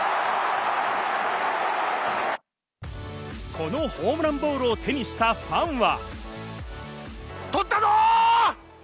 このホームランボールを手にしたファンは。